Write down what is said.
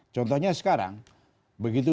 contohnya sekarang begitu